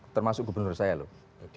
termasuk gubernur saya loh